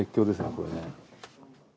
これね。